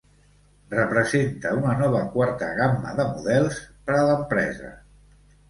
Representa una nova quarta gamma de models per a l'empresa.